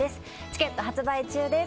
チケット発売中です。